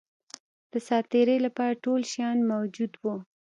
د سات تېري لپاره ټول شیان موجود وه.